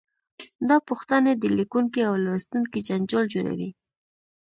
دا پوښتنې د لیکونکي او لوستونکي جنجال جوړوي.